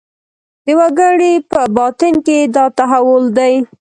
د وګړي په باطن کې دا تحول دی.